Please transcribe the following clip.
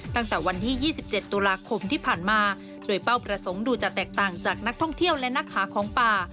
ตั้งแต่วันที่๒๗ตุลาคมที่ผ่านมาโดยเป้าประสงค์ดูจะแตกต่างจากนักท่องเที่ยวและนักหาของป่า